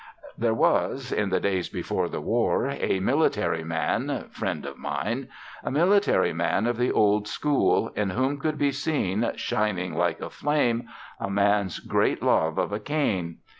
There was (in the days before the war) a military man (friend of mine), a military man of the old school, in whom could be seen, shining like a flame, a man's great love of a cane.